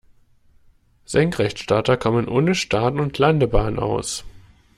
Senkrechtstarter kommen ohne Start- und Landebahn aus.